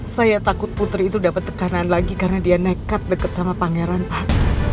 saya takut putri itu dapat tekanan lagi karena dia nekat dekat sama pangeran pak